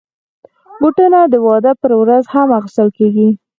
بوټونه د واده پر ورځ هم اغوستل کېږي.